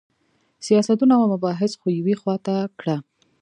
سیاستونه او مباحث خو یوې خوا ته کړه.